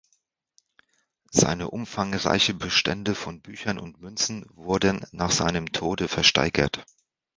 Seine umfangreiche Bestände von Büchern und Münzen wurden nach seinem Tode versteigert.